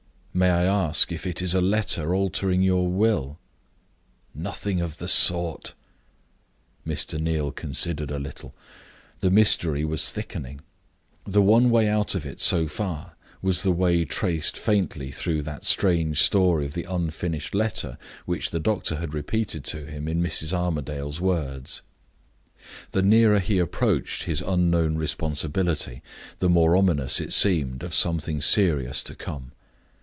"May I ask if it is a letter altering your will?" "Nothing of the sort." Mr. Neal considered a little. The mystery was thickening. The one way out of it, so far, was the way traced faintly through that strange story of the unfinished letter which the doctor had repeated to him in Mrs. Armadale's words. The nearer he approached his unknown responsibility, the more ominous it seemed of something serious to come.